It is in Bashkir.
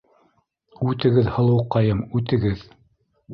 Үтегеҙ, һылыуҡайым, үтегеҙ!